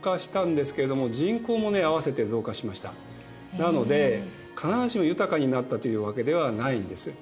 なので必ずしも豊かになったというわけではないんです。